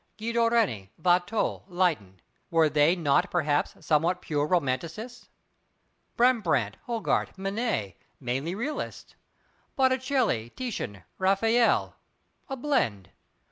Guido Reni, Watteau, Leighton were they not perhaps somewhat pure romanticists; Rembrandt, Hogarth, Manet mainly realists; Botticelli, Titian, Raphael, a blend.